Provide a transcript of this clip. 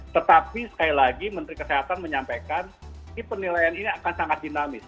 tetapi sekali lagi menteri kesehatan menyampaikan penilaian ini akan sangat dinamis